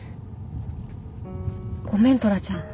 ごめんトラちゃん。